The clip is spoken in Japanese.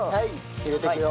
入れていくよ。